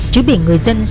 chứ bị người dân xử lý